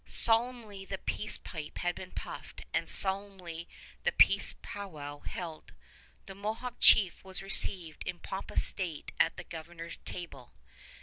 Solemnly the peace pipe had been puffed and solemnly the peace powwow held. The Mohawk chief was received in pompous state at the Governor's table.